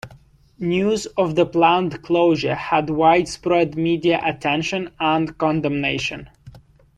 News of the planned closure had widespread media attention and condemnation.